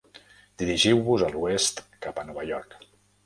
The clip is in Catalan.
Dirigiu-vos a l'oest cap a Nova York.